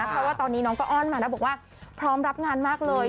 เพราะว่าตอนนี้น้องก็อ้อนมานะบอกว่าพร้อมรับงานมากเลย